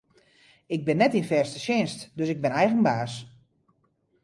Ik bin net yn fêste tsjinst, dus ik bin eigen baas.